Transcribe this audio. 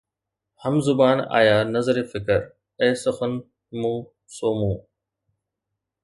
هم زبان آيا نظر فڪر- اي سخن مون سو مون